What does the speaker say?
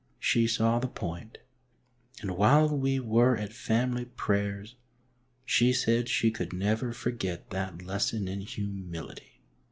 She saw the point, and while we were at family prayers, she said she could never forget that lesson in humility.